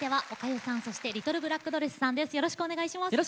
よろしくお願いします。